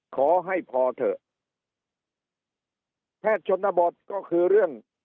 ขอให้พอเถอะแพทย์ชนบทก็คือเรื่อง